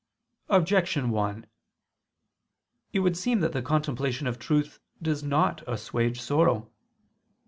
Objection 1: It would seem that the contemplation of truth does not assuage sorrow.